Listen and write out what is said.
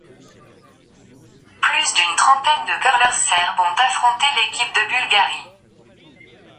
Plus d'une trentaine de curlers serbes ont affronté l'équipe de Bulgarie.